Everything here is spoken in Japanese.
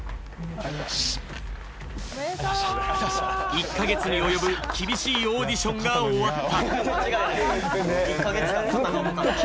１か月におよぶ厳しいオーディションが終わった。